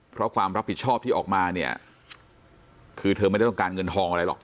เพราะความรับผิดชอบที่ออกมาเนี่ยคือเธอไม่ได้ต้องการเงินทองอะไรหรอก